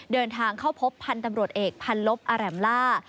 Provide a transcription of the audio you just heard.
เดินทางเข้าพบพันธุ์ตำรวจเอกพันลบอาแหลมล่า